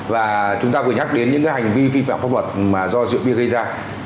và chúng ta vừa nhắc đến những hành vi vi phạm pháp luật mà do rượu bia gây ra